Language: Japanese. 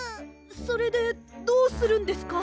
それでどうするんですか？